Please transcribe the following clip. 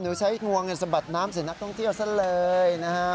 หนูใช้งวงสะบัดน้ำเสร็จนักท่องเที่ยวซะเลยนะครับ